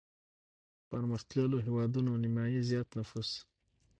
پرمختلليو هېوادونو نيمايي زيات نفوس